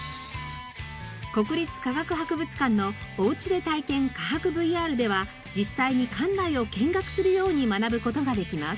国立科学博物館の「おうちで体験！かはくＶＲ」では実際に館内を見学するように学ぶ事ができます。